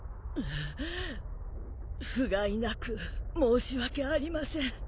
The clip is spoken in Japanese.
ううふがいなく申し訳ありません。